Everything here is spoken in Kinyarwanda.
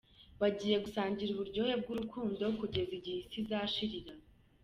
Bagiye gusangira uburyohe bw’urukundo kugeza igihe isi izashirira.